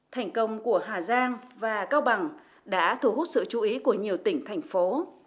thành công của hà giang và cao bằng đã thu hút sự chú ý của nhiều tỉnh thành phố